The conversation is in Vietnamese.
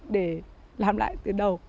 để làm lại từ đầu